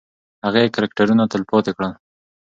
هغې کرکټرونه تلپاتې کړل.